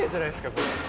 これ。